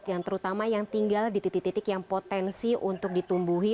yang terutama yang tinggal di titik titik yang potensi untuk ditumbuhi